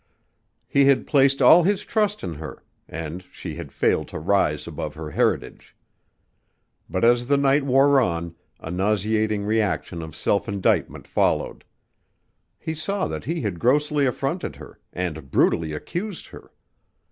He had placed all his trust in her and she had failed to rise above her heritage. But as the night wore on a nauseating reaction of self indictment followed. He saw that he had grossly affronted her and brutally accused her.